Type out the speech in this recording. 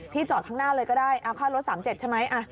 พี่จอดข้างหน้าเลยก็ได้เอาค่าลดสามเจ็ดใช่ไหมอ่ะ